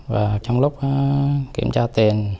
và trong lúc kiểm tra tiền